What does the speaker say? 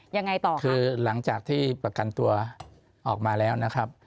ยังไงต่อคือหลังจากที่ประกันตัวออกมาแล้วนะครับ